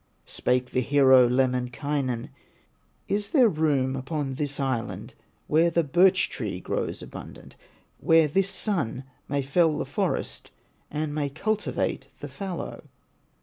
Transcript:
Spake the hero, Lemminkainen: "Is there room upon this island, Where the birch tree grows abundant, Where this son may fell the forest, And may cultivate the fallow?"